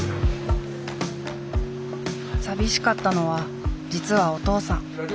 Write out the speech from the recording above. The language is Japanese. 寂しかったのは実はお父さん。